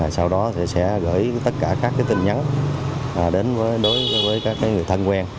sau đó sẽ gửi tất cả các tin nhắn đến đối với các người thân quen